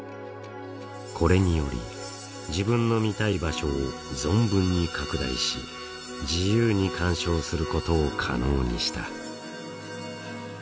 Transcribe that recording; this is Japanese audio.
これにより自分の見たい場所を存分に拡大し自由に鑑賞することを可能にした。